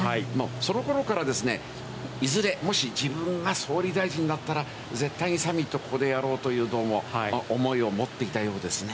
その頃からいずれもし自分が総理大臣になったら、絶対にサミットをここでやろうという思いを持っていたようですね。